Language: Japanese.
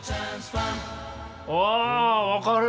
あ分かる。